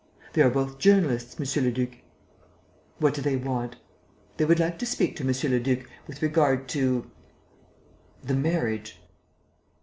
"They are both journalists, monsieur le duc." "What do they want?" "They would like to speak to monsieur le duc with regard to ... the marriage...."